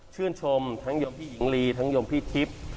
ชื่นชมทั้งยมพี่หญิงลีทั้งยมพี่ทิพย์